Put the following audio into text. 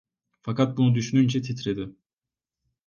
Fakat bunu düşününce titredi.